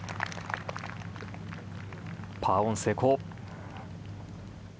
パーオン成功。